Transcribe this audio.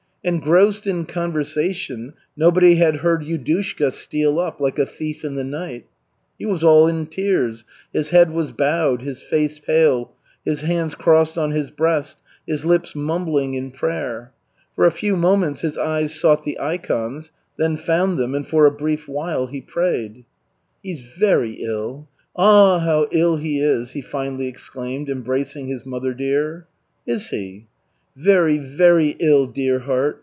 Engrossed in conversation nobody had heard Yudushka steal up "like a thief in the night." He was all in tears, his head was bowed, his face pale, his hands crossed on his breast, his lips mumbling in prayer. For a few moments his eyes sought the ikons, then found them and for a brief while he prayed. "He's very ill. Ah, how ill he is!" he finally exclaimed, embracing his mother dear. "Is he?" "Very, very ill, dear heart.